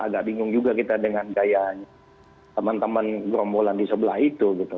agak bingung juga kita dengan gaya teman teman gerombolan di sebelah itu gitu